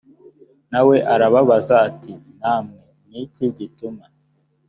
na we arababaza ati namwe ni iki gituma